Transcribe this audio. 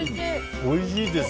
おいしいです。